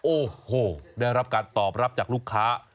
โอ้โหได้รับการตอบรับจากลูกค้า